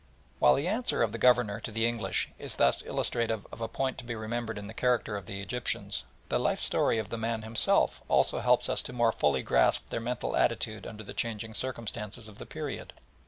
While the answer of the Governor to the English is thus illustrative of a point to be remembered in the character of the Egyptians, the life story of the man himself also helps us to more fully grasp their mental attitude under the changing circumstances of the period.